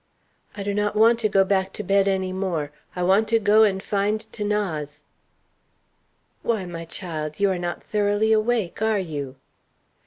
"I do not want to go back to bed any more. I want to go and find 'Thanase." "Why, my child, you are not thoroughly awake, are you?"